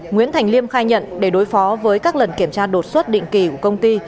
nguyễn thành liêm khai nhận để đối phó với các lần kiểm tra đột xuất định kỳ của công ty